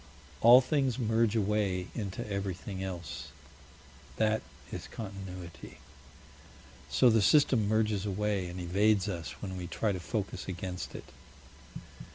All things merge away into everything else. That is Continuity. So the System merges away and evades us when we try to focus against it.